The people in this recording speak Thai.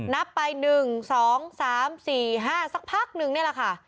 นับไป๑๒๓๔๕สักพักนึงนี่แหละค่ะ